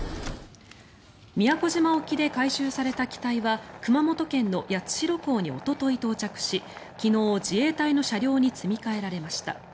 宮古島沖で回収された機体は熊本県の八代港におととい到着し昨日、自衛隊の車両に積み替えられました。